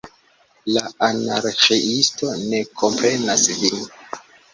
La Anarĥiisto ne komprenas vin.